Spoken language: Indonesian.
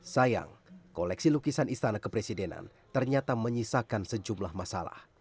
sayang koleksi lukisan istana kepresidenan ternyata menyisakan sejumlah masalah